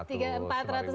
pak sarman tertarik